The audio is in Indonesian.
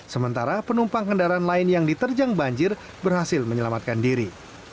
sementara penumpang kendaraan lain yang diterjang banjir berhasil menyelamatkan diri